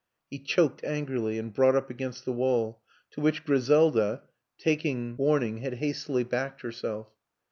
He choked angrily and brought up against the wall to which Griselda; taking 102 WILLIAM AN ENGLISHMAN warning, had hastily backed herself.